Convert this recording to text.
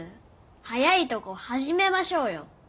早いとこ始めましょうよ。